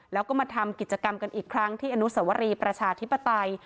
แล้วก็มาทำกิจกรรมกันอีกครั้งที่อนุสวรีประชาธิปไตย